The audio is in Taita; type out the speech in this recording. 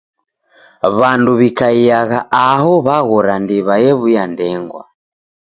W'andu w'ikaiagha aho w'aghora ndiwa ew'uya ndengwa.